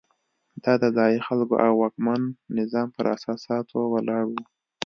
دا د ځايي خلکو او واکمن نظام پر اساساتو ولاړ وو.